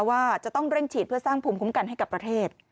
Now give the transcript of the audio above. ว่าจะต้องเร่งฉีดเพื่อสร้างภูมิคุ้มกันให้กับประเทศ